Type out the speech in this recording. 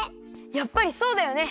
やっぱりそうだよね！